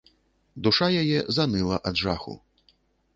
Душа яе заныла ад жаху.